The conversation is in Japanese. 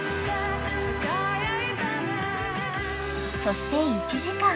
［そして１時間］